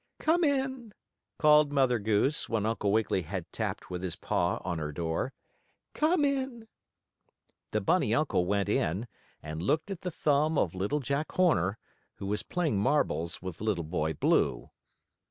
"Come in!" called Mother Goose, when Uncle Wiggily had tapped with his paw on her door. "Come in!" The bunny uncle went in, and looked at the thumb of Little Jack Horner, who was playing marbles with Little Boy Blue.